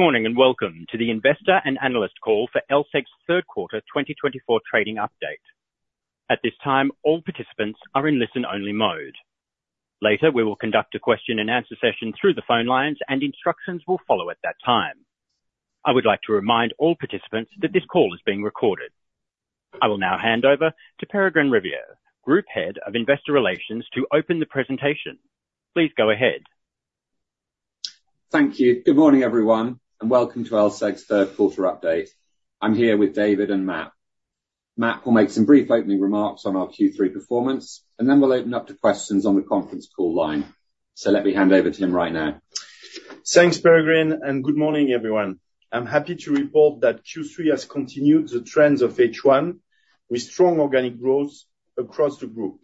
Good morning, and welcome to the Investor and Analyst Call for LSEG's third quarter twenty twenty-four trading update. At this time, all participants are in listen-only mode. Later, we will conduct a question and answer session through the phone lines, and instructions will follow at that time. I would like to remind all participants that this call is being recorded. I will now hand over to Peregrine Riviere, Group Head of Investor Relations, to open the presentation. Please go ahead. Thank you. Good morning, everyone, and welcome to LSEG's third quarter update. I'm here with David and Matt. Matt will make some brief opening remarks on our Q3 performance, and then we'll open up to questions on the conference call line. So let me hand over to him right now. Thanks, Peregrine, and good morning, everyone. I'm happy to report that Q3 has continued the trends of H1 with strong organic growth across the group.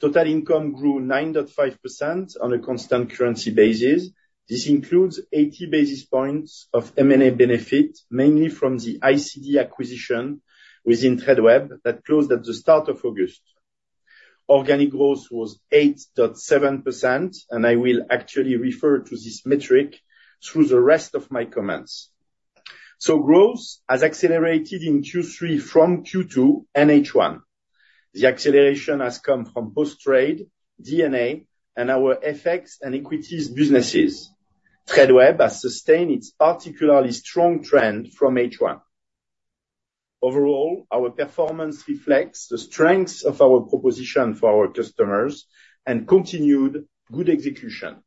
Total income grew 9.5% on a constant currency basis. This includes eighty basis points of M&A benefit, mainly from the ICD acquisition within Tradeweb that closed at the start of August. Organic growth was 8.7%, and I will actually refer to this metric through the rest of my comments. So growth has accelerated in Q3 from Q2 and H1. The acceleration has come from Post Trade, D&A, and our FX and equities businesses. Tradeweb has sustained its particularly strong trend from H1. Overall, our performance reflects the strengths of our proposition for our customers and continued good execution.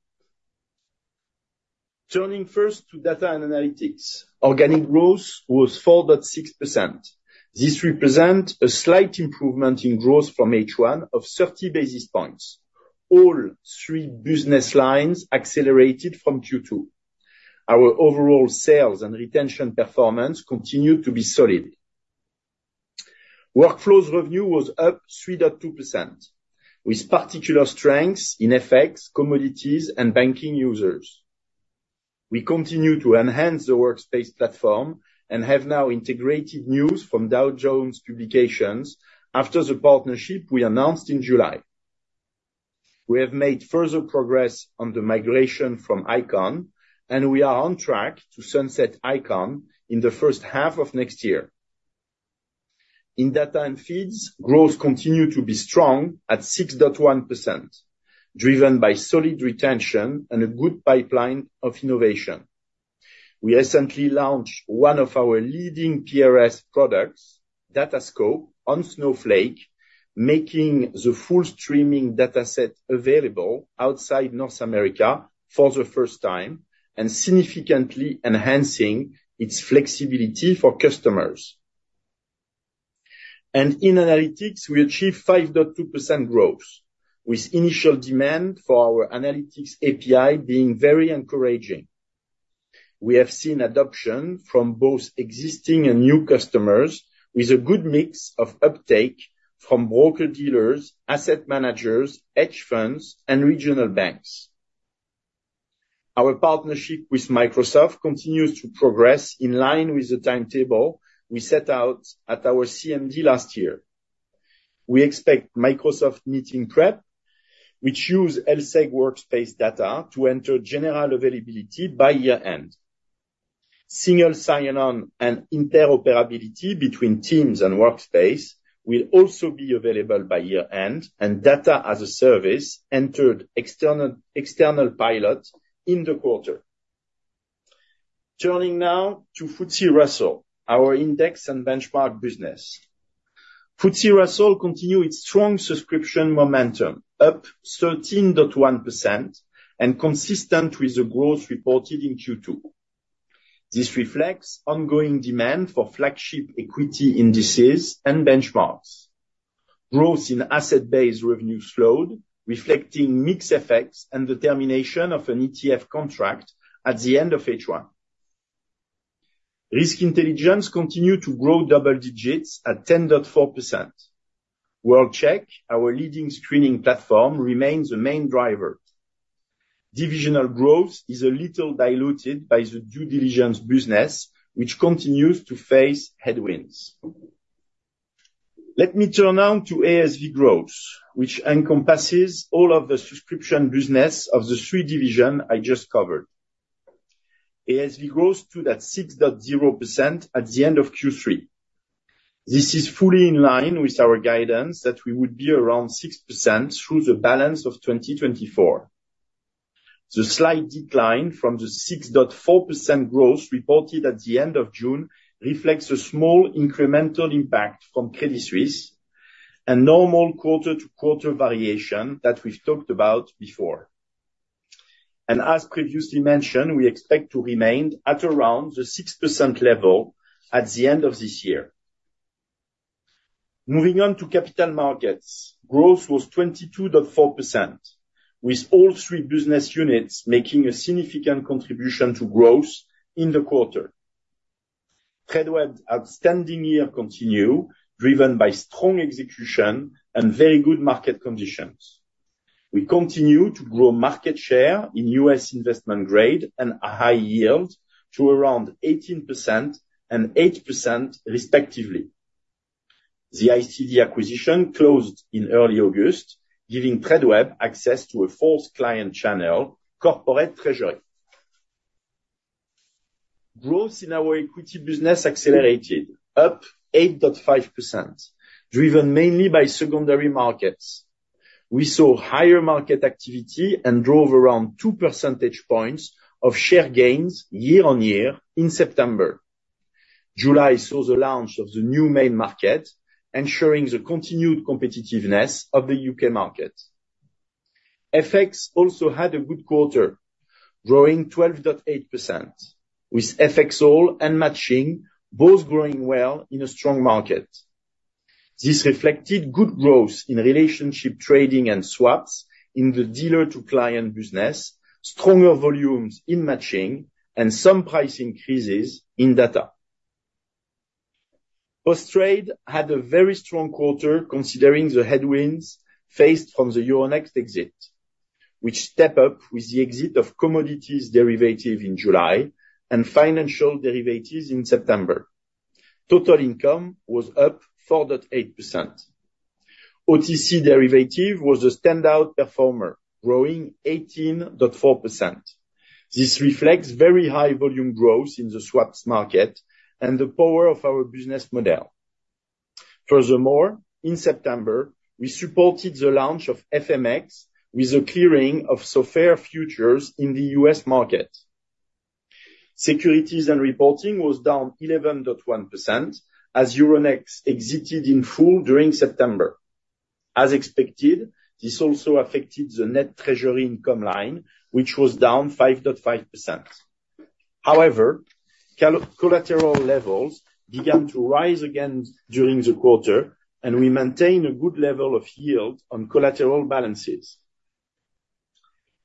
Turning first to Data & Analytics, organic growth was 4.6%. This represents a slight improvement in growth from H1 of 30 basis points. All three business lines accelerated from Q2. Our overall sales and retention performance continued to be solid. Workflows revenue was up 3.2%, with particular strengths in FX, commodities, and banking users. We continue to enhance the Workspace platform and have now integrated news from Dow Jones Publications after the partnership we announced in July. We have made further progress on the migration from Eikon, and we are on track to sunset Eikon in the first half of next year. In Data & Feeds, growth continued to be strong at 6.1%, driven by solid retention and a good pipeline of innovation. We recently launched one of our leading PRS products, DataScope, on Snowflake, making the full streaming data set available outside North America for the first time and significantly enhancing its flexibility for customers. And in analytics, we achieved 5.2% growth, with initial demand for our analytics API being very encouraging. We have seen adoption from both existing and new customers, with a good mix of uptake from broker-dealers, asset managers, hedge funds, and regional banks. Our partnership with Microsoft continues to progress in line with the timetable we set out at our CMD last year. We expect Microsoft Meeting Prep, which use LSEG Workspace data, to enter general availability by year-end. Single sign-on and interoperability between Teams and Workspace will also be available by year-end, and Data as a Service entered external pilot in the quarter. Turning now to FTSE Russell, our index and benchmark business. FTSE Russell continued its strong subscription momentum, up 13.1% and consistent with the growth reported in Q2. This reflects ongoing demand for flagship equity indices and benchmarks. Growth in asset-based revenue slowed, reflecting mixed effects and the termination of an ETF contract at the end of H1. Risk Intelligence continued to grow double digits at 10.4%. World-Check, our leading screening platform, remains the main driver. Divisional growth is a little diluted by the due diligence business, which continues to face headwinds. Let me turn now to ASV growth, which encompasses all of the subscription business of the three divisions I just covered. ASV growth stood at 6.0% at the end of Q3. This is fully in line with our guidance that we would be around 6% through the balance of 2024. The slight decline from the 6.4% growth reported at the end of June reflects a small incremental impact from Credit Suisse and normal quarter-to-quarter variation that we've talked about before, and as previously mentioned, we expect to remain at around the 6% level at the end of this year. Moving on to Capital Markets. Growth was 22.4%, with all three business units making a significant contribution to growth in the quarter. Tradeweb's outstanding year continue, driven by strong execution and very good market conditions. We continue to grow market share in U.S. investment grade and high yield to around 18% and 8%, respectively.... The ICD acquisition closed in early August, giving Tradeweb access to a fourth client channel, corporate treasury. Growth in our equity business accelerated, up 8.5%, driven mainly by secondary markets. We saw higher market activity and drove around two percentage points of share gains year-on-year in September. July saw the launch of the new main market, ensuring the continued competitiveness of the UK market. FX also had a good quarter, growing 12.8%, with FXall and Matching both growing well in a strong market. This reflected good growth in relationship trading and swaps in the dealer-to-client business, stronger volumes in matching, and some price increases in data. Post Trade had a very strong quarter, considering the headwinds faced from the Euronext exit, which stepped up with the exit of commodities derivatives in July and financial derivatives in September. Total income was up 4.8%. OTC derivatives was a standout performer, growing 18.4%. This reflects very high volume growth in the swaps market and the power of our business model. Furthermore, in September, we supported the launch of FMX with the clearing of SOFR futures in the U.S. market. Securities & Reporting was down 11.1%, as Euronext exited in full during September. As expected, this also affected the net treasury income line, which was down 5.5%. However, collateral levels began to rise again during the quarter, and we maintain a good level of yield on collateral balances,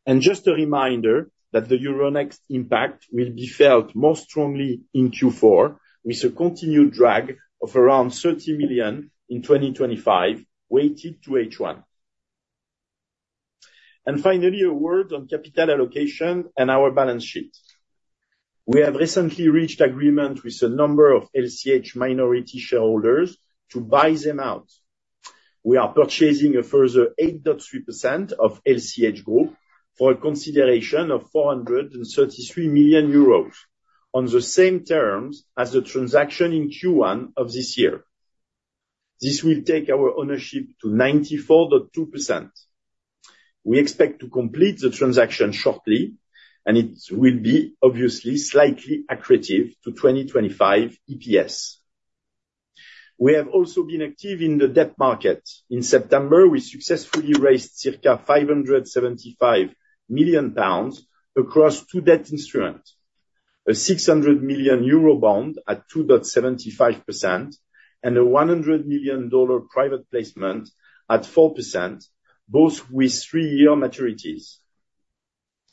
and just a reminder that the Euronext impact will be felt most strongly in Q4, with a continued drag of around £30 million in 2025, weighted to H1. And finally, a word on capital allocation and our balance sheet. We have recently reached agreement with a number of LCH minority shareholders to buy them out. We are purchasing a further 8.3% of LCH Group for a consideration of 433 million euros, on the same terms as the transaction in Q1 of this year. This will take our ownership to 94.2%. We expect to complete the transaction shortly, and it will be, obviously, slightly accretive to 2025 EPS. We have also been active in the debt market. In September, we successfully raised circa 575 million pounds across two debt instruments: a 600 million Eurobond at 2.75%, and a $100 million private placement at 4%, both with three-year maturities.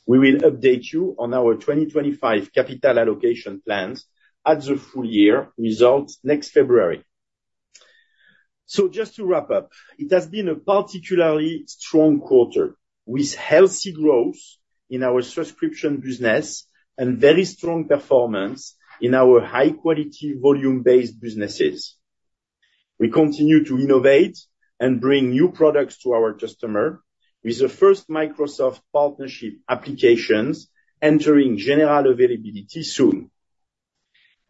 We will update you on our 2025 capital allocation plans at the full year results next February. So just to wrap up, it has been a particularly strong quarter, with healthy growth in our subscription business and very strong performance in our high-quality, volume-based businesses. We continue to innovate and bring new products to our customer, with the first Microsoft partnership applications entering general availability soon.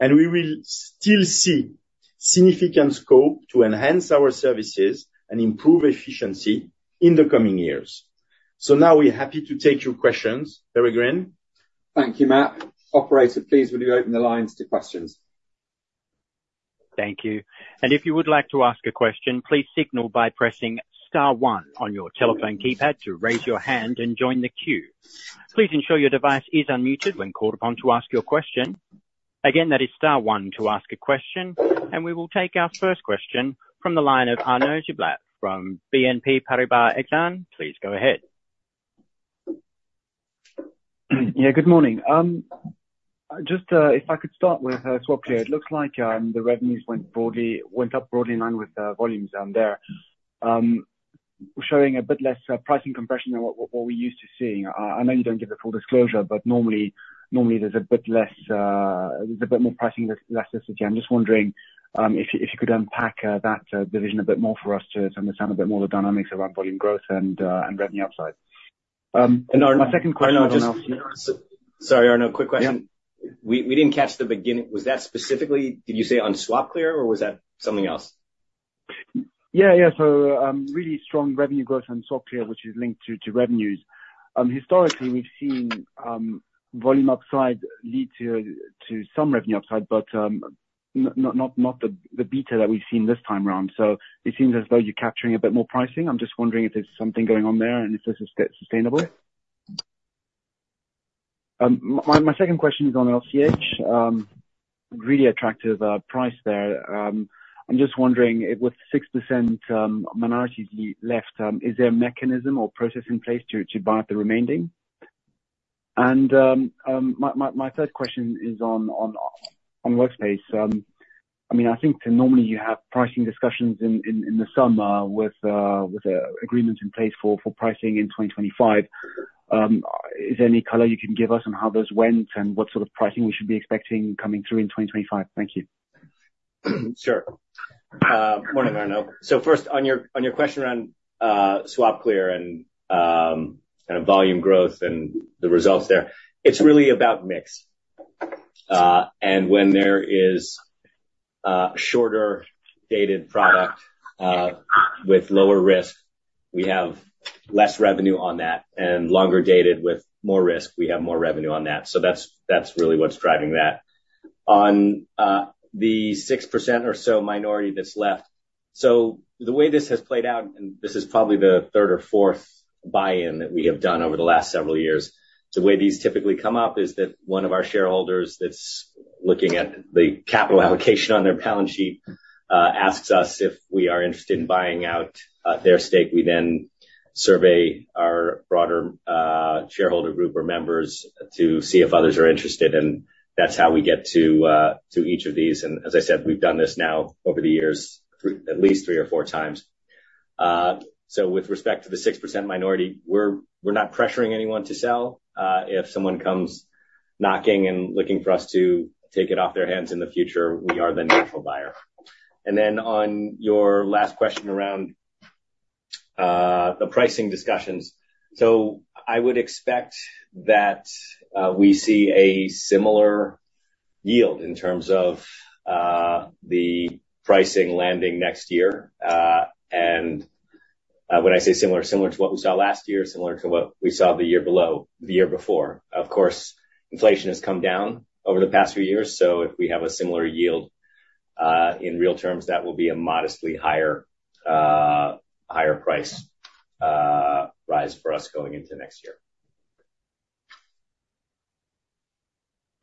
And we will still see significant scope to enhance our services and improve efficiency in the coming years. So now we're happy to take your questions. Peregrine? Thank you, Matt. Operator, please, will you open the lines to questions? Thank you. And if you would like to ask a question, please signal by pressing star one on your telephone keypad to raise your hand and join the queue. Please ensure your device is unmuted when called upon to ask your question. Again, that is star one to ask a question, and we will take our first question from the line of Arnaud Giblat from BNP Paribas Exane. Please go ahead. Yeah, good morning. Just if I could start with SwapClear. It looks like the revenues went broadly, went up broadly in line with the volumes down there, showing a bit less pricing compression than what, what we're used to seeing. I know you don't give the full disclosure, but normally, normally there's a bit less, there's a bit more pricing necessity. I'm just wondering if you, if you could unpack that division a bit more for us to understand a bit more of the dynamics around volume growth and and revenue upside. And Arnaud, my second question- Arnaud, just- Sorry, Arnaud, quick question. Yeah. We didn't catch the beginning. Was that specifically, did you say, on SwapClear, or was that something else? Yeah, yeah. So really strong revenue growth on SwapClear, which is linked to revenues. Historically, we've seen volume upside lead to some revenue upside, but not the beta that we've seen this time around. So it seems as though you're capturing a bit more pricing. I'm just wondering if there's something going on there, and if this is sustainable? My second question is on LCH. Really attractive price there. I'm just wondering, with 6% minority left, is there a mechanism or process in place to buy out the remaining? And my third question is on Workspace. I mean, I think normally you have pricing discussions in the summer with agreements in place for pricing in twenty twenty-five. Is there any color you can give us on how those went, and what sort of pricing we should be expecting coming through in 2025? Thank you. Sure. Morning, Arnaud. So first, on your question around SwapClear and volume growth and the results there, it's really about mix. And when there is shorter dated product with lower risk, we have less revenue on that, and longer dated with more risk, we have more revenue on that. So that's really what's driving that. On the 6% or so minority that's left, so the way this has played out, and this is probably the third or fourth buy-in that we have done over the last several years, the way these typically come up is that one of our shareholders that's looking at the capital allocation on their balance sheet asks us if we are interested in buying out their stake. We then survey our broader shareholder group or members to see if others are interested, and that's how we get to each of these. And as I said, we've done this now over the years, at least three or four times. So with respect to the 6% minority, we're not pressuring anyone to sell. If someone comes knocking and looking for us to take it off their hands in the future, we are the natural buyer. And then on your last question around the pricing discussions, so I would expect that we see a similar yield in terms of the pricing landing next year. And when I say similar, similar to what we saw last year, similar to what we saw the year before, the year before. Of course, inflation has come down over the past few years, so if we have a similar yield, in real terms, that will be a modestly higher price rise for us going into next year.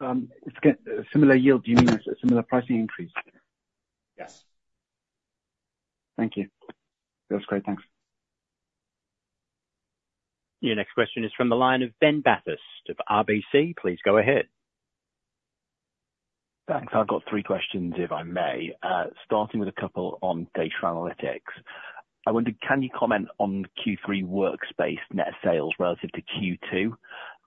Just getting similar yield, do you mean a similar pricing increase? Yes. Thank you. That's great. Thanks. Your next question is from the line of Ben Bathurst of RBC. Please go ahead. Thanks. I've got three questions, if I may. Starting with a couple on Data & Analytics. I wonder, can you comment on Q3 Workspace net sales relative to Q2?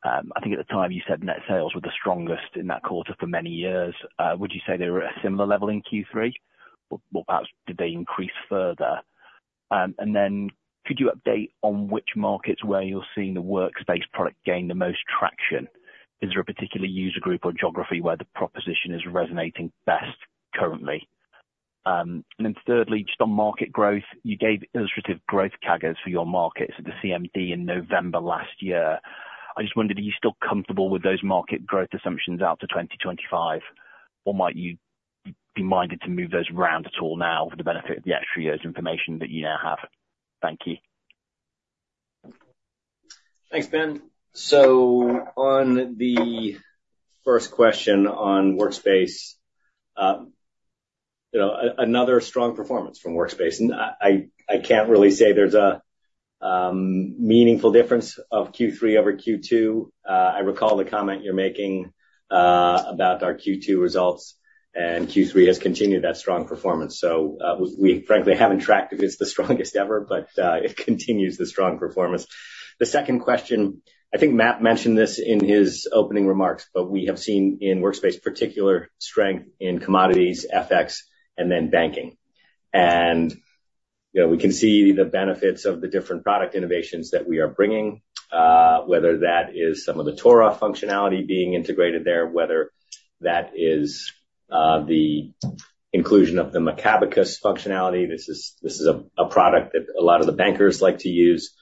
I think at the time you said net sales were the strongest in that quarter for many years. Would you say they were at a similar level in Q3, or, or perhaps did they increase further? And then could you update on which markets where you're seeing the Workspace product gain the most traction? Is there a particular user group or geography where the proposition is resonating best currently? And then thirdly, just on market growth, you gave illustrative growth CAGRs for your markets at the CMD in November last year. I just wondered, are you still comfortable with those market growth assumptions out to twenty twenty-five, or might you be minded to move those around at all now for the benefit of the extra year's information that you now have? Thank you. Thanks, Ben. So on the first question on Workspace, you know, another strong performance from Workspace, and I can't really say there's a meaningful difference of Q3 over Q2. I recall the comment you're making about our Q2 results, and Q3 has continued that strong performance. So, we frankly haven't tracked if it's the strongest ever, but it continues the strong performance. The second question, I think Matt mentioned this in his opening remarks, but we have seen in Workspace particular strength in commodities, FX, and then banking. And, you know, we can see the benefits of the different product innovations that we are bringing, whether that is some of the TORA functionality being integrated there, whether that is the inclusion of the Macabacus functionality. This is a product that a lot of the bankers like to use.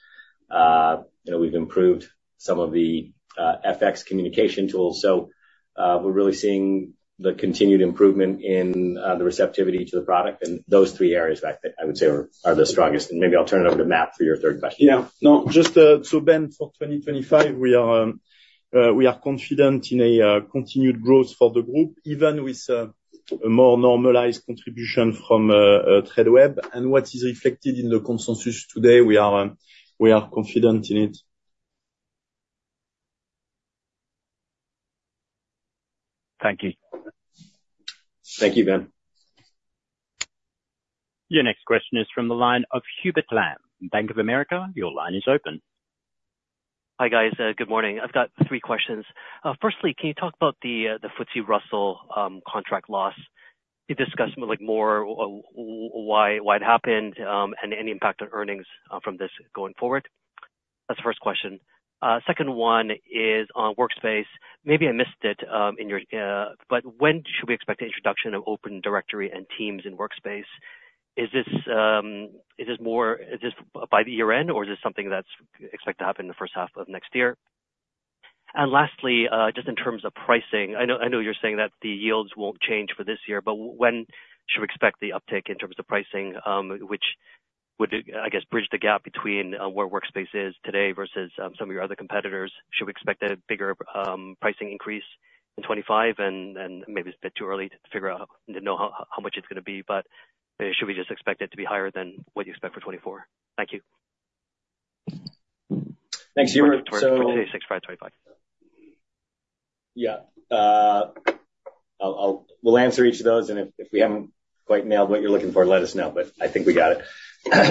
You know, we've improved some of the FX communication tools, so we're really seeing the continued improvement in the receptivity to the product, and those three areas, I would say are the strongest, and maybe I'll turn it over to Matt for your third question. Yeah. No, just so Ben, for 2025, we are confident in a continued growth for the group, even with a more normalized contribution from Tradeweb and what is reflected in the consensus today, we are confident in it. Thank you. Thank you, Ben. Your next question is from the line of Hubert Lam, Bank of America. Your line is open. Hi, guys, good morning. I've got three questions. Firstly, can you talk about the FTSE Russell contract loss? Can you discuss more, like, why it happened and any impact on earnings from this going forward? That's the first question. Second one is on Workspace. Maybe I missed it in your... But when should we expect the introduction of Open Directory and Teams in Workspace? Is this more by the year end, or is this something that's expected to happen in the first half of next year? Lastly, just in terms of pricing, I know, I know you're saying that the yields won't change for this year, but when should we expect the uptick in terms of pricing, which would, I guess, bridge the gap between where Workspace is today versus some of your other competitors? Should we expect a bigger pricing increase in 2025? And maybe it's a bit too early to figure out, to know how much it's gonna be, but should we just expect it to be higher than what you expect for 2024? Thank you. Thanks, Hubert, so- For 2025.... Yeah, I'll we'll answer each of those, and if we haven't quite nailed what you're looking for, let us know, but I think we got it.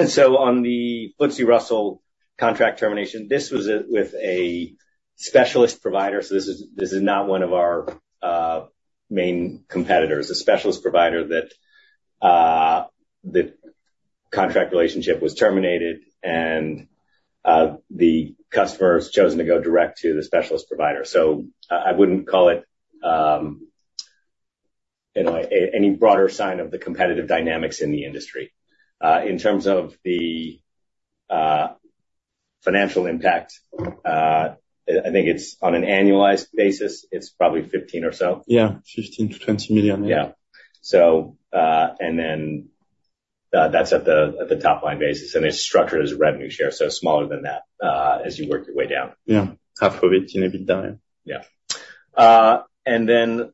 So on the FTSE Russell contract termination, this was with a specialist provider, so this is not one of our main competitors. A specialist provider that the contract relationship was terminated, and the customer's chosen to go direct to the specialist provider. So I wouldn't call it, you know, any broader sign of the competitive dynamics in the industry. In terms of the financial impact, I think it's on an annualized basis, it's probably fifteen or so. Yeah, £15-20 million. Yeah, so and then that's at the top line basis, and it's structured as revenue share, so smaller than that as you work your way down. Yeah. Half of it, it'll be done, yeah. Yeah. And then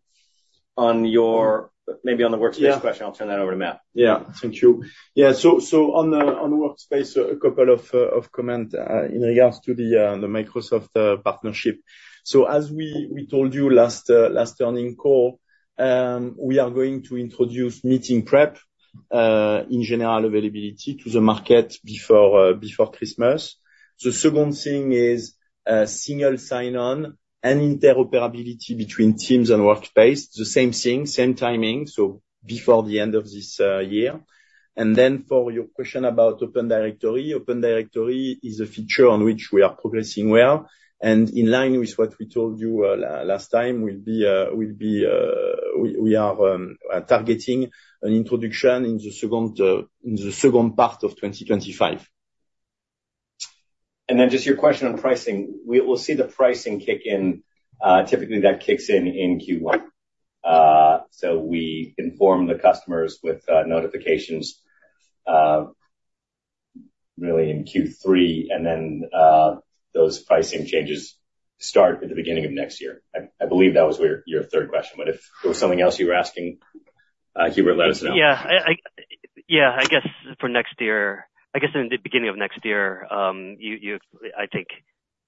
on your- maybe on the Workspace question, I'll turn that over to Matt. Yeah. Thank you. Yeah, so, so on the Workspace, a couple of comments in regards to the Microsoft partnership. So as we told you last earnings call, we are going to introduce Meeting Prep in general availability to the market before Christmas. The second thing is, single sign-on and interoperability between Teams and Workspace, the same thing, same timing, so before the end of this year. And then for your question about Open Directory, Open Directory is a feature on which we are progressing well, and in line with what we told you last time, we are targeting an introduction in the second part of 2025. And then just your question on pricing. We'll see the pricing kick in, typically that kicks in in Q1. So we inform the customers with notifications, really in Q3, and then those pricing changes start at the beginning of next year. I believe that was your third question, but if there was something else you were asking, Hubert, let us know. Yeah, I guess for next year, I guess in the beginning of next year, you I think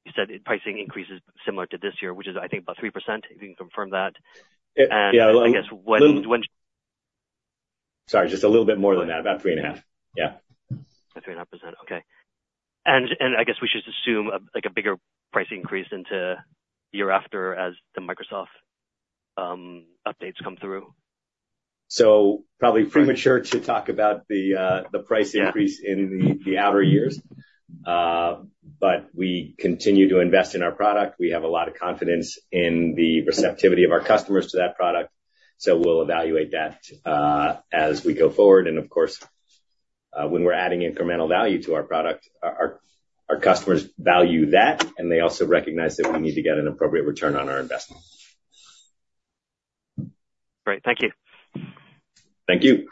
you said pricing increase is similar to this year, which is, I think, about 3%, if you can confirm that? Yeah, a little- And I guess when- Sorry, just a little bit more than that, about three and a half. Yeah. About 3.5%, okay. I guess we should assume like a bigger price increase into the year after, as the Microsoft updates come through? So probably premature to talk about the price increase- Yeah... in the outer years. But we continue to invest in our product. We have a lot of confidence in the receptivity of our customers to that product, so we'll evaluate that, as we go forward, and of course, when we're adding incremental value to our product, our customers value that, and they also recognize that we need to get an appropriate return on our investment. Great, thank you. Thank you.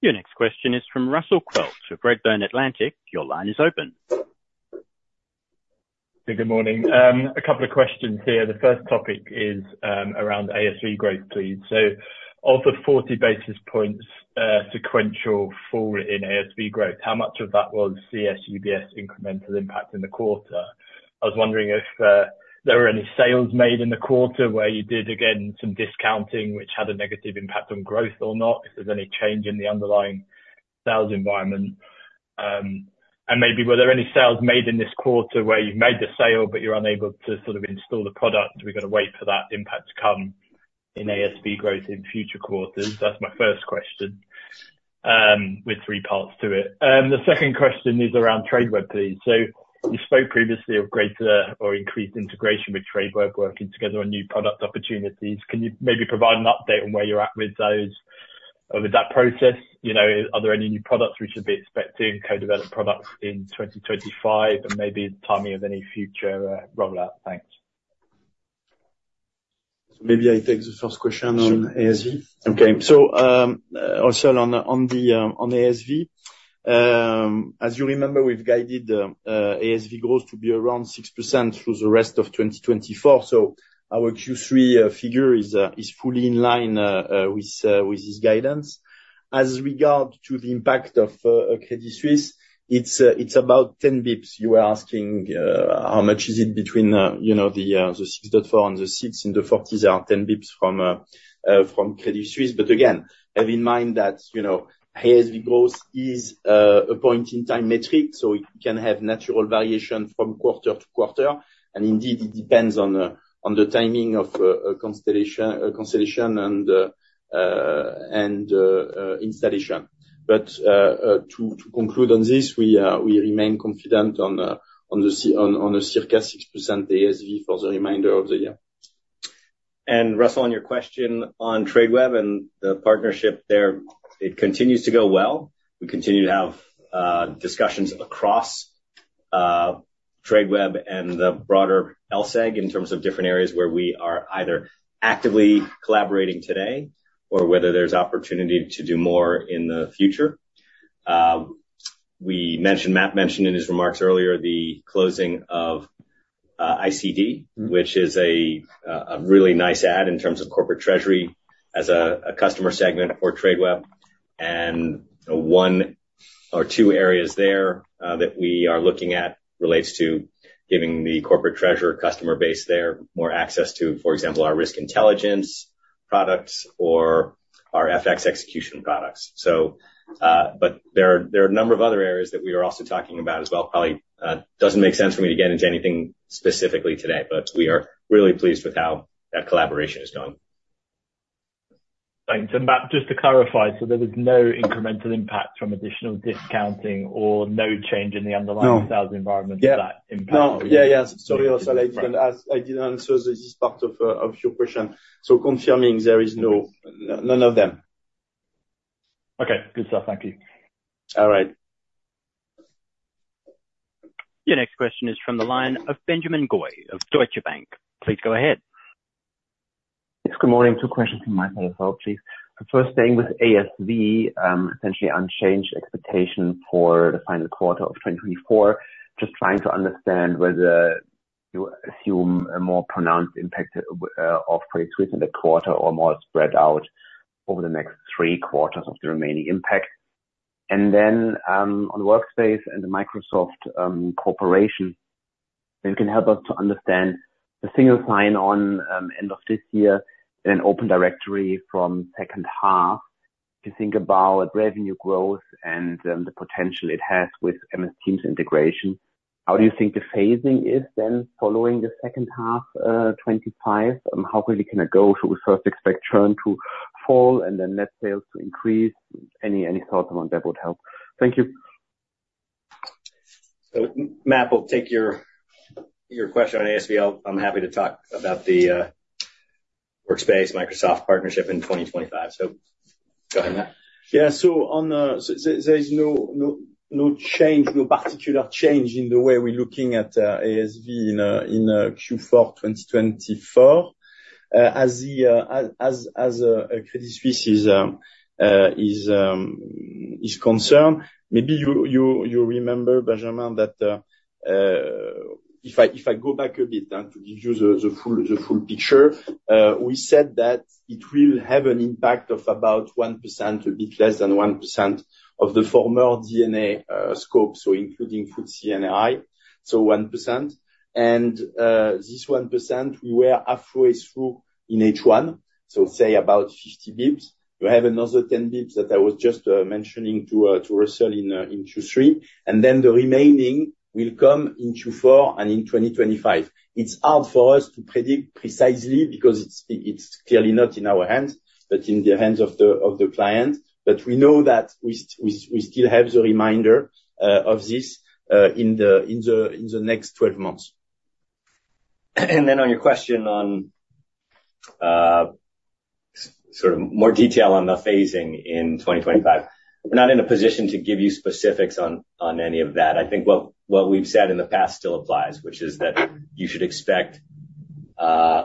Your next question is from Russell Quelch with Redburn Atlantic. Your line is open. Good morning. A couple of questions here. The first topic is around ASV growth, please. So of the forty basis points sequential fall in ASV growth, how much of that was CS UBS incremental impact in the quarter? I was wondering if there were any sales made in the quarter where you did, again, some discounting, which had a negative impact on growth or not, if there's any change in the underlying sales environment. And maybe were there any sales made in this quarter where you've made the sale, but you're unable to sort of install the product, we've got to wait for that impact to come in ASV growth in future quarters? That's my first question with three parts to it. The second question is around Tradeweb, please. So you spoke previously of greater or increased integration with Tradeweb, working together on new product opportunities. Can you maybe provide an update on where you're at with those, or with that process? You know, are there any new products we should be expecting, co-developed products in 2025, and maybe the timing of any future rollout? Thanks. Maybe I take the first question on ASV. Okay, so, also on ASV, as you remember, we've guided the ASV growth to be around 6% through the rest of 2024, so our Q3 figure is fully in line with this guidance. As regards to the impact of Credit Suisse, it's about 10 basis points. You were asking how much is it between, you know, the 6.4 and the 6s in the 40s, there are 10 basis points from Credit Suisse. But again, have in mind that, you know, ASV growth is a point in time metric, so it can have natural variation from quarter to quarter, and indeed, it depends on the timing of constellation and installation. But to conclude on this, we remain confident on the circa 6% ASV for the remainder of the year. And Russell, on your question on Tradeweb and the partnership there, it continues to go well. We continue to have discussions across Tradeweb and the broader LSEG, in terms of different areas where we are either actively collaborating today or whether there's opportunity to do more in the future. We mentioned, Matt mentioned in his remarks earlier, the closing of ICD- Mm-hmm... which is a really nice add in terms of corporate treasury as a customer segment for Tradeweb, and one or two areas there that we are looking at relates to giving the corporate treasurer customer base there more access to, for example, our Risk Intelligence products or our FX execution products. So, but there are a number of other areas that we are also talking about as well. Probably doesn't make sense for me to get into anything specifically today, but we are really pleased with how that collaboration is going. Thanks. And Matt, just to clarify, so there was no incremental impact from additional discounting or no change in the underlying? No. Sales environment impact? No. Yeah, yeah. Sorry, Russell, I didn't ask- I didn't answer this part of your question. So confirming there is no... None of them. Okay. Good stuff. Thank you. All right. Your next question is from the line of Benjamin Goy of Deutsche Bank. Please go ahead. Yes, good morning. Two questions from my side as well, please. The first thing with ASV, essentially unchanged expectation for the final quarter of twenty twenty-four. Just trying to understand whether you assume a more pronounced impact of Credit Suisse in the quarter or more spread out over the next three quarters of the remaining impact. And then, on the Workspace and the Microsoft Corporation, if you can help us to understand the single sign-on end of this year and an Open Directory from second half, to think about revenue growth and the potential it has with MS Teams integration. How do you think the phasing is then, following the second half twenty-five, and how quickly can it go? Should we first expect churn to fall and then net sales to increase? Any thoughts on that would help. Thank you. So Matt will take your question on ASV. I'm happy to talk about the Workspace Microsoft partnership in twenty twenty-five. So go ahead, Matt. Yeah. So on the... There is no change, no particular change in the way we're looking at ASV in Q4 twenty twenty-four. As Credit Suisse is concerned, maybe you remember, Benjamin, that if I go back a bit to give you the full picture, we said that it will have an impact of about 1%, a bit less than 1%, of the former D&A scope, so including Post Trade, so 1%. And this 1% we were halfway through in H1, so say about 50 basis points. We have another 10 basis points that I was just mentioning to Russell in Q3. And then the remaining will come in Q4 and in twenty twenty-five. It's hard for us to predict precisely because it's clearly not in our hands, but in the hands of the client. But we know that we still have the remainder of this in the next twelve months. And then on your question on sort of more detail on the phasing in twenty twenty-five, we're not in a position to give you specifics on any of that. I think what we've said in the past still applies, which is that you should expect a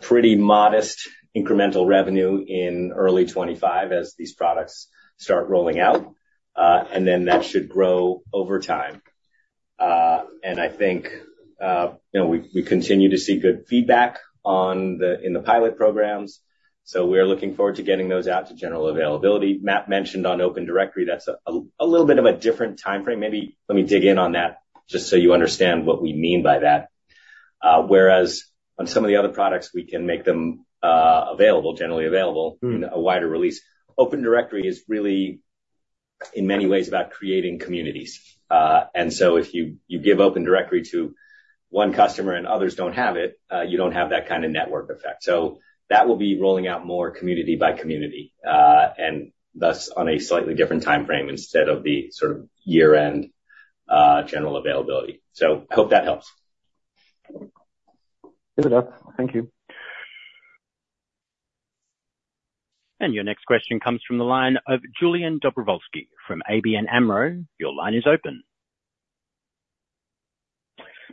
pretty modest incremental revenue in early 2025 as these products start rolling out, and then that should grow over time. And I think you know we continue to see good feedback on the pilot programs, so we're looking forward to getting those out to general availability. Matt mentioned on Open Directory, that's a little bit of a different time frame. Maybe let me dig in on that just so you understand what we mean by that. Whereas on some of the other products, we can make them available, generally available- Mm. in a wider release. Open Directory is really, in many ways, about creating communities, and so if you give Open Directory to one customer and others don't have it, you don't have that kind of network effect. So that will be rolling out more community by community, and thus, on a slightly different time frame instead of the sort of year-end general availability, so I hope that helps. Yes, it does. Thank you. And your next question comes from the line of Iulian Dobrovolchi from ABN AMRO. Your line is open.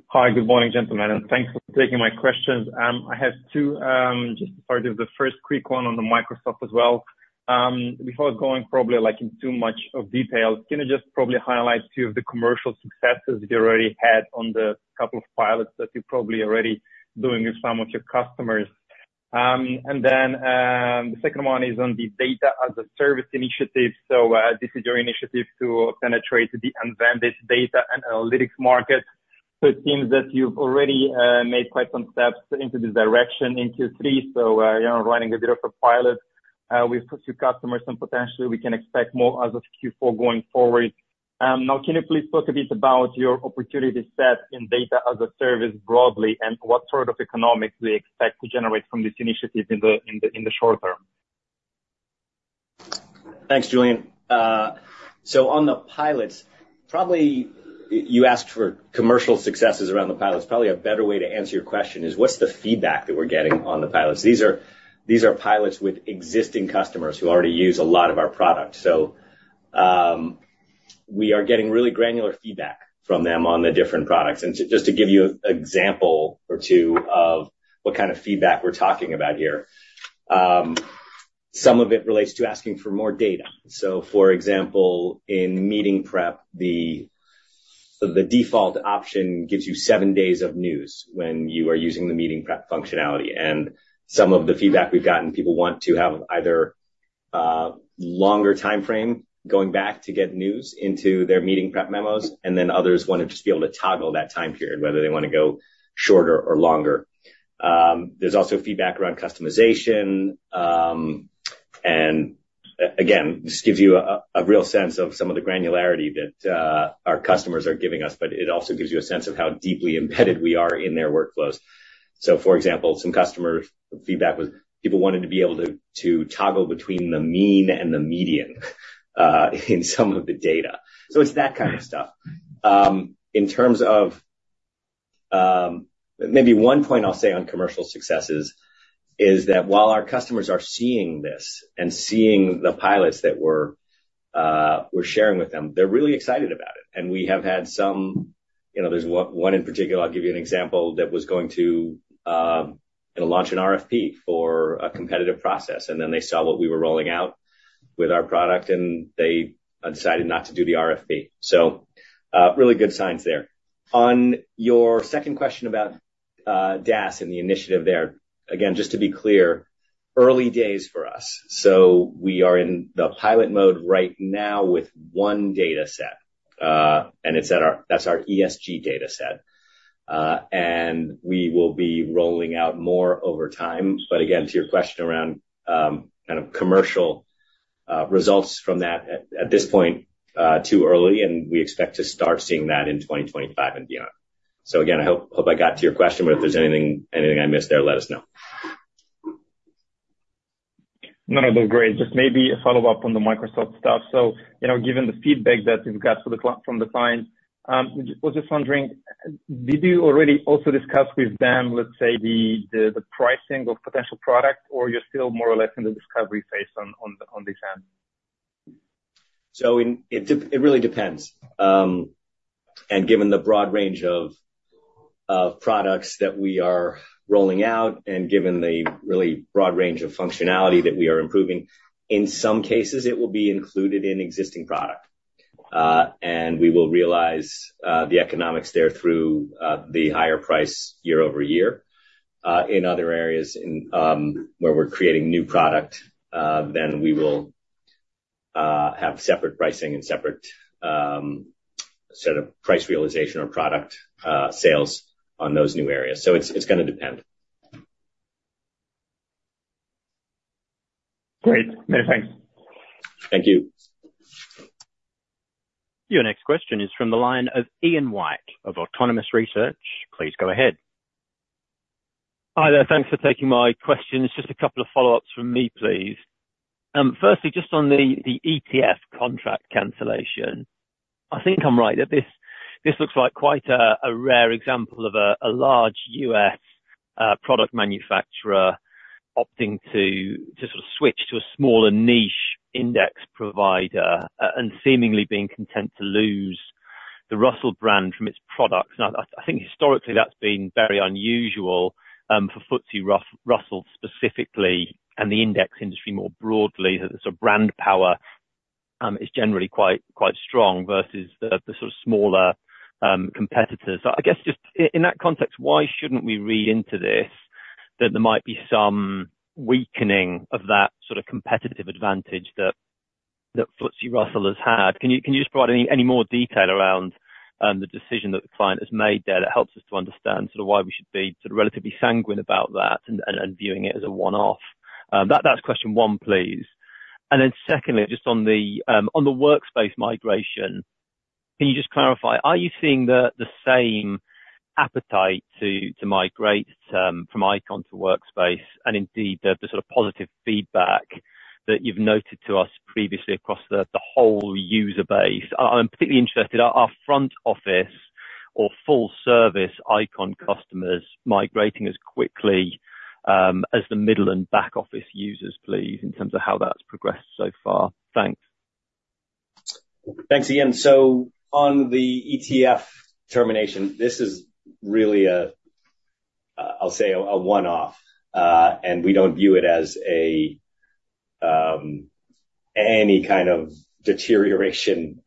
Hi, good morning, gentlemen, and thanks for taking my questions. I have two. Just to start with the first quick one on the Microsoft as well. Before going probably, like, in too much of detail, can you just probably highlight two of the commercial successes you already had on the couple of pilots that you're probably already doing with some of your customers? And then, the second one is on the Data as a Service initiative. So, this is your initiative to penetrate the unpenetrated Data & Analytics market. So it seems that you've already made quite some steps into this direction in Q3, so, you know, running a bit of a pilot with a few customers, and potentially we can expect more as of Q4 going forward. Now, can you please talk a bit about your opportunity set in Data as a Service broadly, and what sort of economics we expect to generate from this initiative in the short term? Thanks, Iulian. So on the pilots, probably you asked for commercial successes around the pilots. Probably a better way to answer your question is, what's the feedback that we're getting on the pilots? These are pilots with existing customers who already use a lot of our products. So we are getting really granular feedback from them on the different products. And just to give you an example or two of what kind of feedback we're talking about here, some of it relates to asking for more data. So, for example, in Meeting Prep, the default option gives you seven days of news when you are using the Meeting Prep functionality. And some of the feedback we've gotten, people want to have either longer time frame going back to get news into their Meeting Prep memos, and then others want to just be able to toggle that time period, whether they want to go shorter or longer. There's also feedback around customization. And again, this gives you a real sense of some of the granularity that our customers are giving us, but it also gives you a sense of how deeply embedded we are in their workflows. So for example, some customer feedback was people wanted to be able to to toggle between the mean and the median in some of the data. It's that kind of stuff. In terms of... Maybe one point I'll say on commercial successes, is that while our customers are seeing this and seeing the pilots that we're sharing with them, they're really excited about it, and we have had some. You know, there's one in particular, I'll give you an example, that was going to, you know, launch an RFP for a competitive process, and then they saw what we were rolling out with our product, and they decided not to do the RFP. So, really good signs there. On your second question about, DaaS and the initiative there, again, just to be clear, early days for us. So we are in the pilot mode right now with one data set, and it's our ESG data set. And we will be rolling out more over time. But again, to your question around kind of commercial results from that, at this point too early, and we expect to start seeing that in 2025 and beyond. So again, I hope I got to your question, but if there's anything I missed there, let us know. No, no, great. Just maybe a follow-up on the Microsoft stuff. So, you know, given the feedback that you've got from the client, just was just wondering, did you already also discuss with them, let's say, the pricing of potential product, or you're still more or less in the discovery phase on this end? So it really depends. And given the broad range of products that we are rolling out, and given the really broad range of functionality that we are improving, in some cases it will be included in existing product. And we will realize the economics there through the higher price year over year. In other areas where we're creating new product, then we will have separate pricing and separate sort of price realization or product sales on those new areas. So it's gonna depend. Great. Many thanks. Thank you. Your next question is from the line of Ian White of Autonomous Research. Please go ahead. Hi there. Thanks for taking my questions. Just a couple of follow-ups from me, please. Firstly, just on the ETF contract cancellation, I think I'm right, that this looks like quite a rare example of a large U.S. product manufacturer opting to sort of switch to a smaller niche index provider and seemingly being content to lose the Russell brand from its products. Now, I think historically, that's been very unusual for FTSE Russell specifically, and the index industry more broadly. The sort of brand power is generally quite strong versus the sort of smaller competitors. I guess, just in that context, why shouldn't we read into this, that there might be some weakening of that sort of competitive advantage that FTSE Russell has had? Can you just provide any more detail around the decision that the client has made there, that helps us to understand sort of why we should be sort of relatively sanguine about that and viewing it as a one-off? That's question one, please. And then secondly, just on the Workspace migration, can you just clarify, are you seeing the same appetite to migrate from Eikon to Workspace, and indeed, the sort of positive feedback that you've noted to us previously across the whole user base? I'm particularly interested, are front office or full service Eikon customers migrating as quickly as the middle and back office users, please, in terms of how that's progressed so far? Thanks. Thanks, Ian. So on the ETF termination, this is really a, I'll say, a one-off, and we don't view it as a, any kind of deterioration,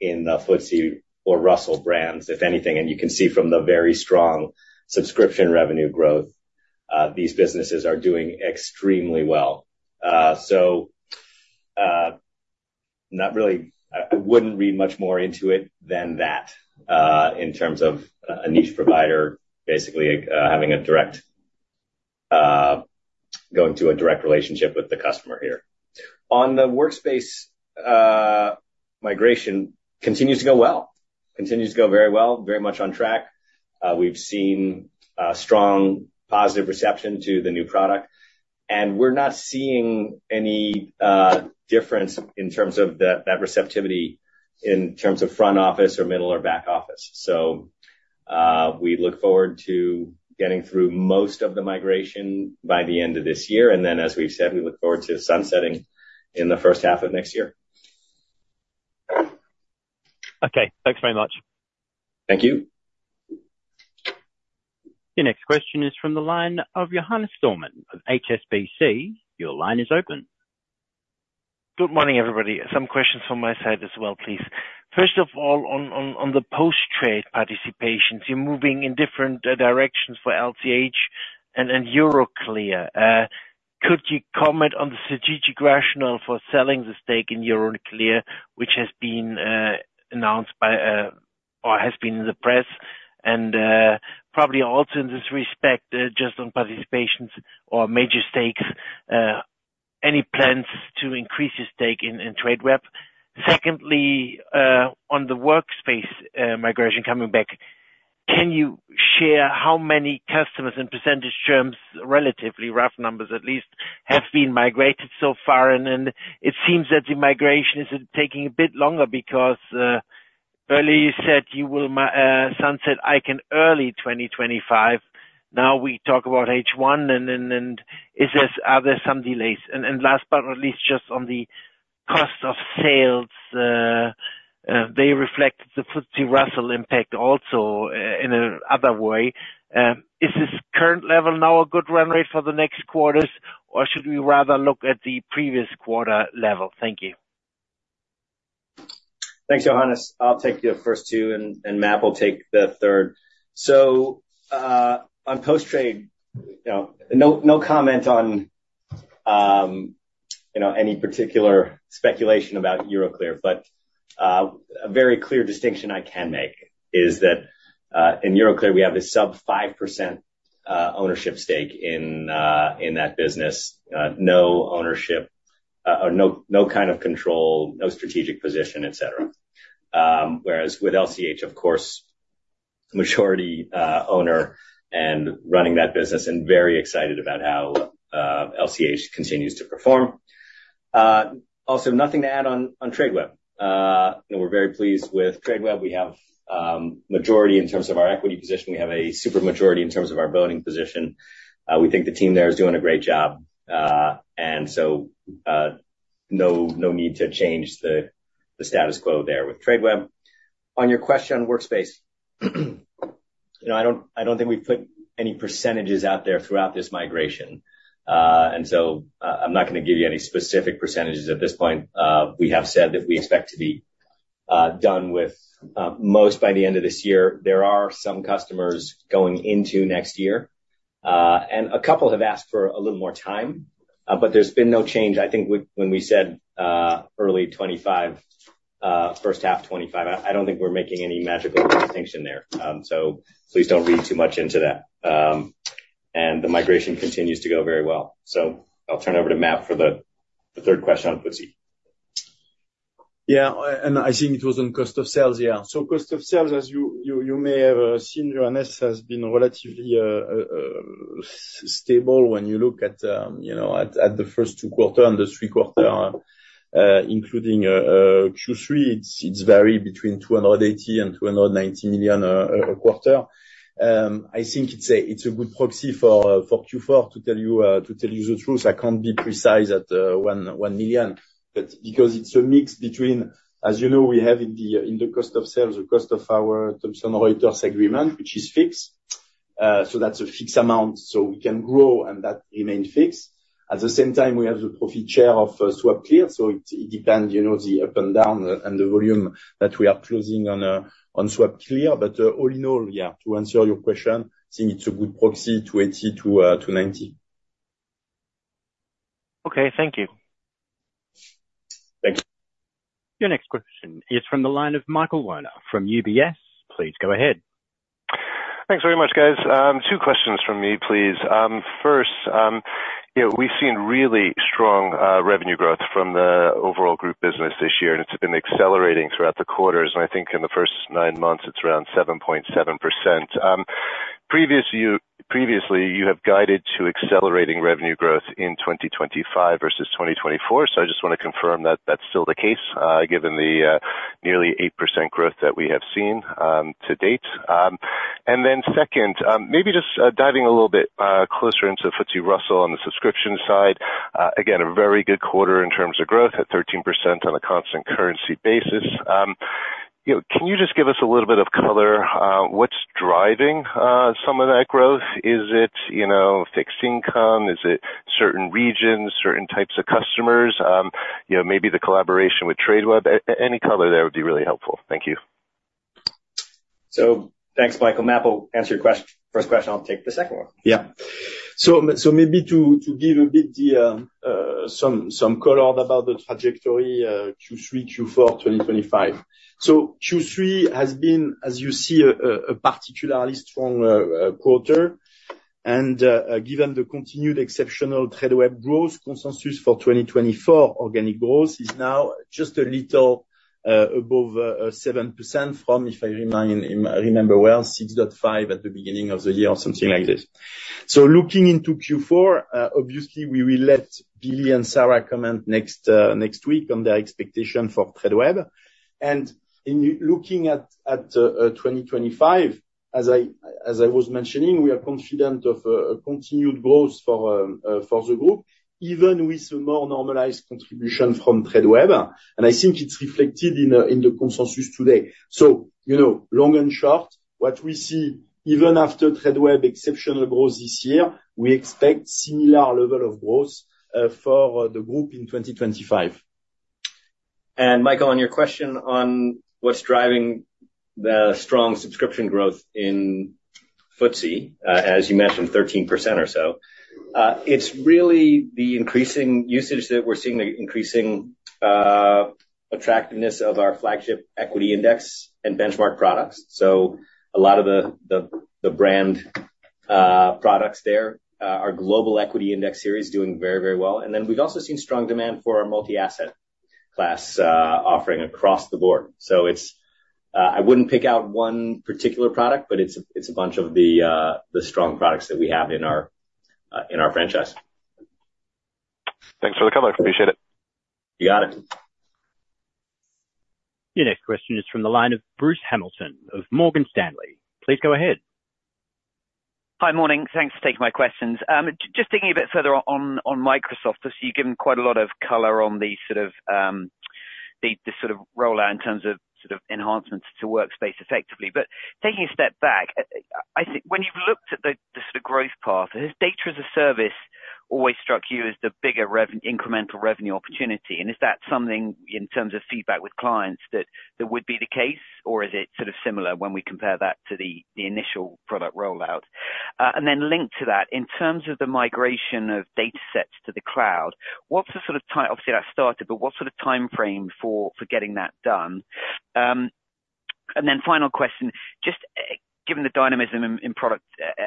in the FTSE or Russell brands. If anything, and you can see from the very strong subscription revenue growth, these businesses are doing extremely well. So, not really... I wouldn't read much more into it than that, in terms of, a niche provider, basically, having a direct, going to a direct relationship with the customer here. On the Workspace migration, continues to go well. Continues to go very well, very much on track. We've seen, strong positive reception to the new product, and we're not seeing any, difference in terms of the, that receptivity in terms of front office or middle or back office. We look forward to getting through most of the migration by the end of this year, and then, as we've said, we look forward to sunsetting in the first half of next year. Okay. Thanks very much. Thank you.... Your next question is from the line of Johannes Thormann of HSBC. Your line is open. Good morning, everybody. Some questions from my side as well, please. First of all, on the post-trade participations, you're moving in different directions for LCH and Euroclear. Could you comment on the strategic rationale for selling the stake in Euroclear, which has been announced or has been in the press? And probably also in this respect, just on participations or major stakes, any plans to increase your stake in Tradeweb? Secondly, on the workspace migration coming back, can you share how many customers in percentage terms, relatively rough numbers at least, have been migrated so far? It seems that the migration is taking a bit longer because earlier you said you will sunset Eikon early 2025, now we talk about H1, and then, is this? Are there some delays? Last but not least, just on the cost of sales, they reflect the FTSE Russell impact also in another way. Is this current level now a good run rate for the next quarters, or should we rather look at the previous quarter level? Thank you. Thanks, Johannes. I'll take the first two, and Matt will take the third. So, on post-trade, you know, no comment on, you know, any particular speculation about Euroclear, but, a very clear distinction I can make is that, in Euroclear, we have a sub-5% ownership stake in, in that business. No ownership, or no kind of control, no strategic position, et cetera. Whereas with LCH, of course, majority owner and running that business and very excited about how, LCH continues to perform. Also nothing to add on, on Tradeweb. You know, we're very pleased with Tradeweb. We have, majority in terms of our equity position. We have a super majority in terms of our voting position. We think the team there is doing a great job, and so, no need to change the status quo there with Tradeweb. On your question on Workspace, you know, I don't think we've put any percentages out there throughout this migration, and so, I'm not gonna give you any specific percentages at this point. We have said that we expect to be done with most by the end of this year. There are some customers going into next year, and a couple have asked for a little more time, but there's been no change. I think when we said early 2025, first half 2025, I don't think we're making any magical distinction there. So please don't read too much into that, and the migration continues to go very well. So I'll turn over to Matt for the third question on FTSE. Yeah, and I think it was on cost of sales. Yeah. So cost of sales, as you may have seen, Johannes, has been relatively stable when you look at, you know, the first two quarter and the three quarter, including Q3, it's varied between 280 and 290 million a quarter. I think it's a good proxy for Q4. To tell you the truth, I can't be precise at one million, but because it's a mix between. As you know, we have in the cost of sales, the cost of our Thomson Reuters agreement, which is fixed. So that's a fixed amount, so we can grow, and that remains fixed. At the same time, we have the profit share of SwapClear, so it depends, you know, the ups and downs and the volume that we are clearing on SwapClear. But all in all, yeah, to answer your question, I think it's a good proxy to 80 to 90. Okay, thank you. Thanks. Your next question is from the line of Michael Werner from UBS. Please go ahead. Thanks very much, guys. Two questions from me, please. First, you know, we've seen really strong revenue growth from the overall group business this year, and it's been accelerating throughout the quarters, and I think in the first nine months it's around 7.7%. Previously, you have guided to accelerating revenue growth in 2025 versus 2024, so I just want to confirm that that's still the case, given the nearly 8% growth that we have seen to date. And then second, maybe just diving a little bit closer into FTSE Russell on the subscription side, again, a very good quarter in terms of growth at 13% on a constant currency basis. You know, can you just give us a little bit of color, what's driving some of that growth? Is it, you know, fixed income? Is it certain regions, certain types of customers? You know, maybe the collaboration with Tradeweb. Any color there would be really helpful. Thank you. So thanks, Michael. Matt will answer your first question, I'll take the second one. Yeah. So maybe to give a bit of some color about the trajectory, Q3, Q4 2025. Q3 has been, as you see, a particularly strong quarter, and given the continued exceptional Tradeweb growth, consensus for 2024 organic growth is now just a little above 7% from, if I remember well, 6.5% at the beginning of the year, or something like this. Looking into Q4, obviously, we will let Billy and Sarah comment next week on their expectation for Tradeweb. In looking at twenty twenty-five, as I was mentioning, we are confident of continued growth for the group, even with a more normalized contribution from Tradeweb, and I think it's reflected in the consensus today. You know, long and short, what we see even after Tradeweb exceptional growth this year, we expect similar level of growth for the group in twenty twenty-five. Michael, on your question on what's driving the strong subscription growth in FTSE, as you mentioned, 13% or so, it's really the increasing usage that we're seeing, the increasing attractiveness of our flagship equity index and benchmark products. So a lot of the brand products there, our Global Equity Index Series is doing very, very well. And then we've also seen strong demand for our multi-asset class offering across the board. So it's, I wouldn't pick out one particular product, but it's a bunch of the strong products that we have in our franchise. Thanks for the color. Appreciate it. You got it. Your next question is from the line of Bruce Hamilton of Morgan Stanley. Please go ahead. Hi, morning. Thanks for taking my questions. Just digging a bit further on Microsoft. So you've given quite a lot of color on the sort of rollout in terms of sort of enhancements to Workspace effectively. But taking a step back, I think when you've looked at the sort of growth path, has Data as a Service always struck you as the bigger incremental revenue opportunity? And is that something, in terms of feedback with clients, that would be the case, or is it sort of similar when we compare that to the initial product rollout? And then linked to that, in terms of the migration of data sets to the cloud, what's the sort of time, obviously that started, but what sort of timeframe for getting that done? And then final question, just, given the dynamism in product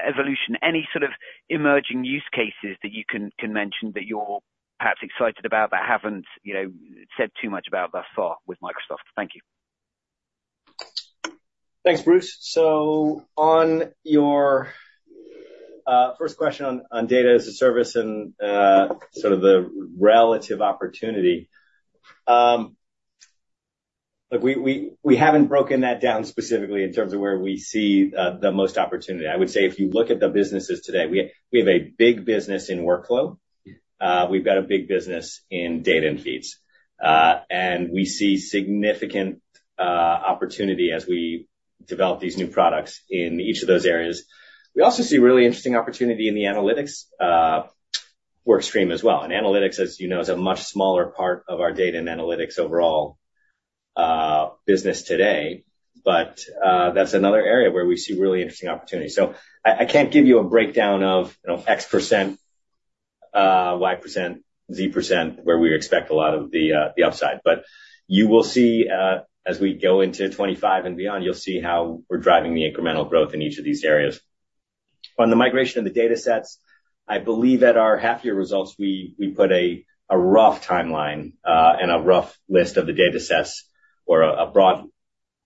evolution, any sort of emerging use cases that you can mention that you're perhaps excited about but haven't, you know, said too much about thus far with Microsoft? Thank you. Thanks, Bruce. So on your first question on Data as a Service and sort of the relative opportunity, look, we haven't broken that down specifically in terms of where we see the most opportunity. I would say if you look at the businesses today, we have a big business in workflow. We've got a big business in Data & Feeds. And we see significant opportunity as we develop these new products in each of those areas. We also see really interesting opportunity in the analytics work stream as well. And analytics, as you know, is a much smaller part of our Data & Analytics overall business today. But that's another area where we see really interesting opportunities. So I can't give you a breakdown of, you know, X%, Y%, Z%, where we expect a lot of the upside, but you will see, as we go into 2025 and beyond, you'll see how we're driving the incremental growth in each of these areas. On the migration of the data sets, I believe at our half-year results, we put a rough timeline, and a rough list of the data sets or a broad,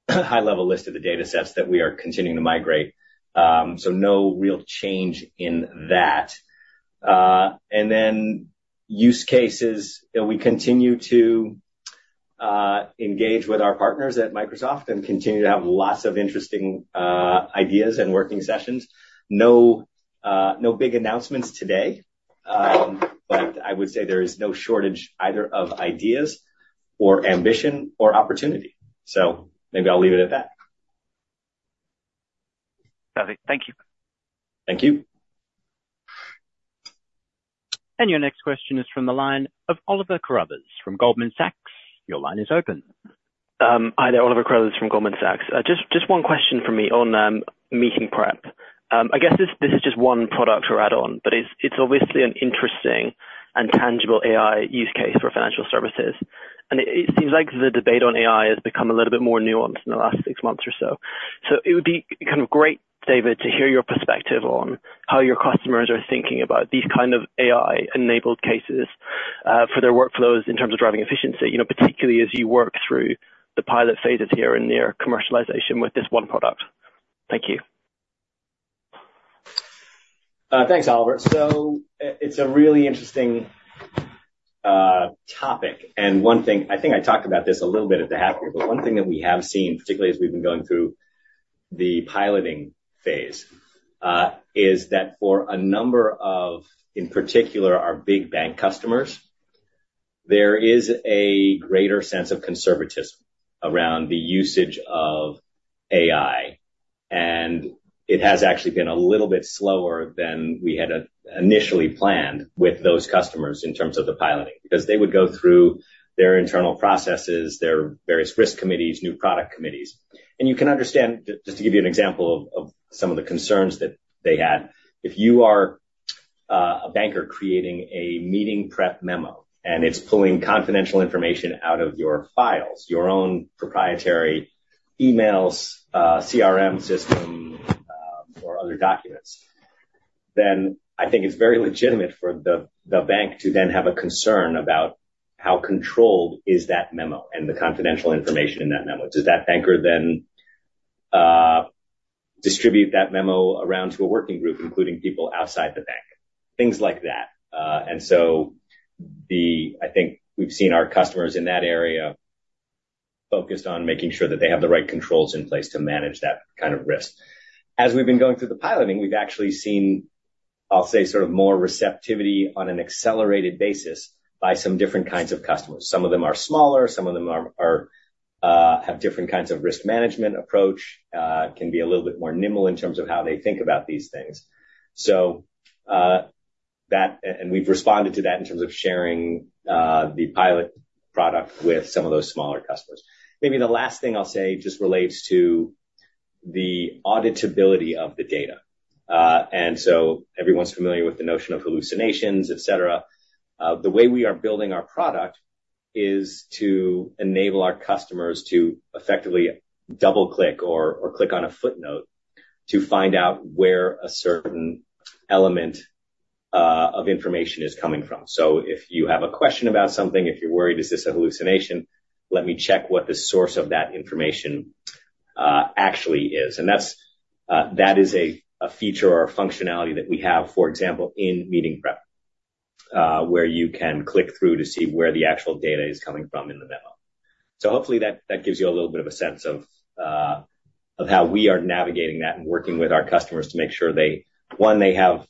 high-level list of the data sets that we are continuing to migrate. So no real change in that. And then use cases, you know, we continue to engage with our partners at Microsoft and continue to have lots of interesting ideas and working sessions. No, no big announcements today, but I would say there is no shortage either of ideas or ambition or opportunity, so maybe I'll leave it at that. Perfect. Thank you. Thank you. And your next question is from the line of Oliver Carruthers from Goldman Sachs. Your line is open. Hi there, Oliver Carruthers from Goldman Sachs. Just one question from me on Meeting Prep. I guess this is just one product or add-on, but it's obviously an interesting and tangible AI use case for financial services, and it seems like the debate on AI has become a little bit more nuanced in the last six months or so. So it would be kind of great, David, to hear your perspective on how your customers are thinking about these kind of AI-enabled cases for their workflows in terms of driving efficiency, you know, particularly as you work through the pilot phases here and their commercialization with this one product. Thank you. Thanks, Oliver. It's a really interesting topic, and one thing I think I talked about this a little bit at the half year, but one thing that we have seen, particularly as we've been going through the piloting phase, is that for a number of, in particular, our big bank customers, there is a greater sense of conservatism around the usage of AI, and it has actually been a little bit slower than we had initially planned with those customers in terms of the piloting, because they would go through their internal processes, their various risk committees, new product committees. You can understand, just to give you an example of some of the concerns that they had, if you are a banker creating a Meeting Prep memo, and it's pulling confidential information out of your files, your own proprietary emails, CRM system, or other documents, then I think it's very legitimate for the bank to then have a concern about how controlled is that memo and the confidential information in that memo. Does that banker then distribute that memo around to a working group, including people outside the bank? Things like that. And so I think we've seen our customers in that area focused on making sure that they have the right controls in place to manage that kind of risk. As we've been going through the piloting, we've actually seen, I'll say, sort of more receptivity on an accelerated basis by some different kinds of customers. Some of them are smaller, some of them have different kinds of risk management approach, can be a little bit more nimble in terms of how they think about these things. And we've responded to that in terms of sharing the pilot product with some of those smaller customers. Maybe the last thing I'll say just relates to the auditability of the data. And so everyone's familiar with the notion of hallucinations, et cetera. The way we are building our product is to enable our customers to effectively double click or click on a footnote to find out where a certain element of information is coming from. So if you have a question about something, if you're worried, is this a hallucination? Let me check what the source of that information actually is. And that's that is a feature or a functionality that we have, for example, in Meeting Prep, where you can click through to see where the actual data is coming from in the memo. So hopefully that gives you a little bit of a sense of how we are navigating that and working with our customers to make sure they, one, they have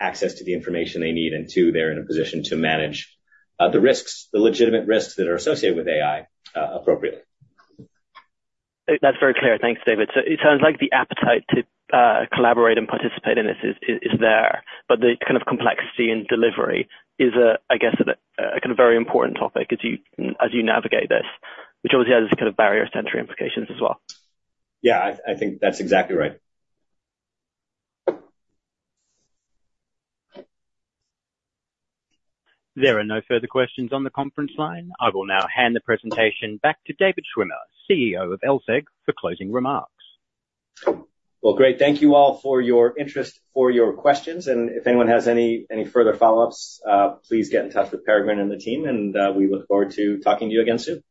access to the information they need, and two, they're in a position to manage the risks, the legitimate risks that are associated with AI appropriately. That's very clear. Thanks, David. So it sounds like the appetite to collaborate and participate in this is there, but the kind of complexity in delivery is a, I guess, a kind of very important topic as you navigate this, which obviously has kind of barriers to entry implications as well. Yeah, I think that's exactly right. There are no further questions on the conference line. I will now hand the presentation back to David Schwimmer, CEO of LSEG, for closing remarks. Great. Thank you all for your interest, for your questions, and if anyone has any further follow-ups, please get in touch with Peregrine and the team, and we look forward to talking to you again soon.